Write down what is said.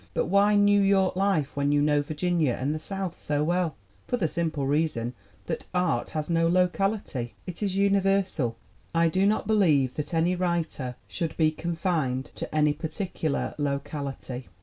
"But why New York life when you know Virginia and the South so well?" "For the simple reason that art has no locality. It is universal. I do not believe that any writer should be confined to any particular locality."